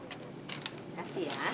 terima kasih ya